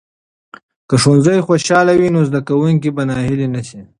که ښوونځي خوشاله وي، نو زده کوونکي به ناهیلي نه شي.